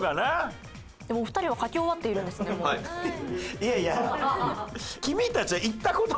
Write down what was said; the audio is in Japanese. いやいや。